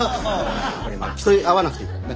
競い合わなくていいからね。